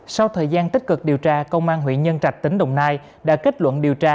sau thời gian tích cực điều tra công an huyện nhân trạch tỉnh đồng nai đã kết luận điều tra